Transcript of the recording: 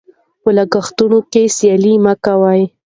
په لګښتونو کې سیالي مه کوئ.